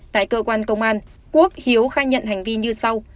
tại cơ quan công an quốc hiếu khai nhận hành vi như sau